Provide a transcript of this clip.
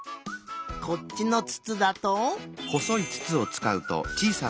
こっちのつつだと。